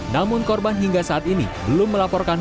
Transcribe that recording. namun korban hingga saat ini belum melaporkan